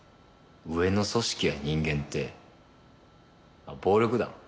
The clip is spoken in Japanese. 上の組織や人間ってあっ暴力団？